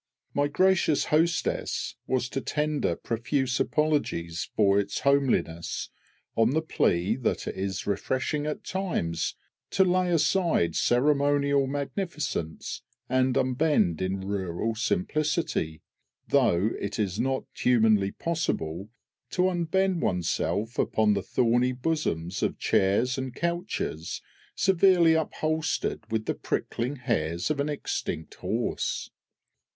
My gracious hostess was to tender profuse apologies for its homeliness, on the plea that it is refreshing at times to lay aside ceremonial magnificence and unbend in rural simplicity, though it is not humanly possible to unbend oneself upon the thorny bosoms of chairs and couches severely upholstered with the prickling hairs of an extinct horse.